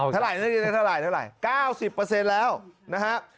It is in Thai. เท่าไหร่๙๐เปอร์เซ็นต์แล้วนะครับ